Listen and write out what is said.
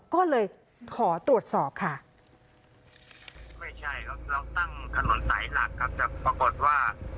ก็เลยขอตรวจสอบค่ะ